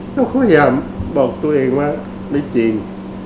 ก็พยายามบอกตัวเองว่าไม่จริง